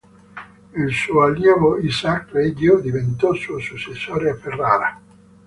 Il suo allievo Isaac Reggio diventò suo successore a Ferrara.